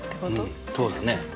うんそうだね